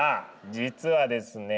実はですね